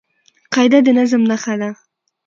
قاعده د نظم نخښه ده.